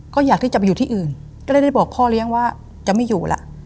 ก็อยากที่จะไปอยู่ที่อื่นก็เลยได้บอกพ่อเลี้ยงว่าจะไม่อยู่ล่ะ